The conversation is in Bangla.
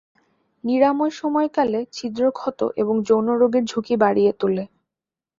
নিরাময় সময়কালে, ছিদ্র ক্ষত এবং যৌন রোগের ঝুঁকি বাড়িয়ে তোলে।